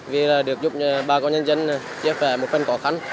vì được giúp ba con nhân dân chếp về một phần khó khăn